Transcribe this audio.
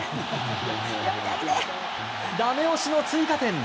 ダメ押しの追加点。